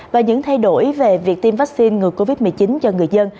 và những thay đổi về việc tiêm vaccine ngừa covid một mươi chín cho người dân